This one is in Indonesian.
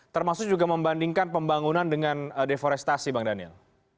termasuk juga membandingkan pembangunan dengan deforestasi bang daniel